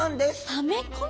ため込む。